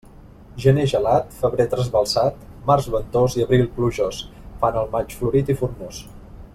Gener gelat, febrer trasbalsat, març ventós i abril plujós, fan el maig florit i formós.